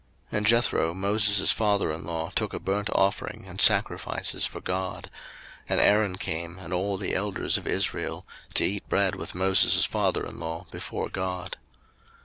02:018:012 And Jethro, Moses' father in law, took a burnt offering and sacrifices for God: and Aaron came, and all the elders of Israel, to eat bread with Moses' father in law before God.